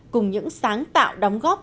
cùng những sáng tạo đóng góp